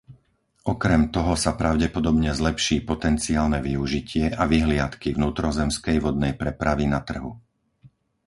Okrem toho sa pravdepodobne zlepší potenciálne využitie a vyhliadky vnútrozemskej vodnej prepravy na trhu.